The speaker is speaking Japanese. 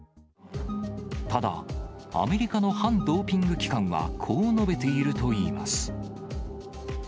ただ、アメリカの反ドーピング機関は、こう述べているといいます。